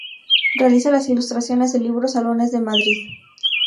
Realiza las ilustraciones del libro "Salones de Madrid".